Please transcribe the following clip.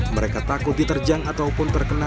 mereka takut diterjang ataupun terkena